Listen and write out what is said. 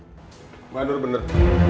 mbak nur bener